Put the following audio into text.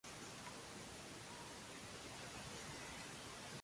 Falleció en su localidad natal ese mismo año.